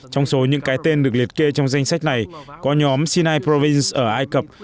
trong số những cái tên được liệt kê trong danh sách này có nhóm sinai province ở ai cập